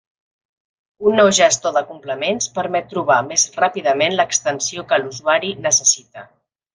Un nou gestor de complements permet trobar més ràpidament l'extensió que l'usuari necessita.